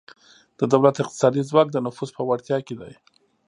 د دولت اقتصادي ځواک د نفوذ په وړتیا کې دی